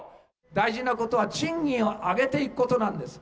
大事なことは賃金を上げていくことなんです。